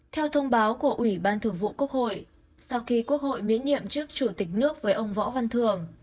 theo thông báo của ủy ban thường vụ quốc hội sau khi quốc hội miễn nhiệm chức chủ tịch nước với ông võ văn thường